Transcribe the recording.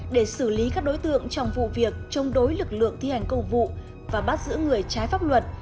để xử lý các đối tượng trong vụ việc chống đối lực lượng thi hành công vụ và bắt giữ người trái pháp luật